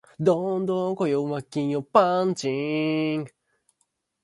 There was, therefore, a shortage of space.